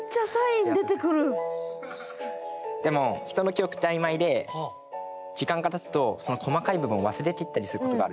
でも人の記憶って曖昧で時間がたつとその細かい部分を忘れていったりすることがあるんです。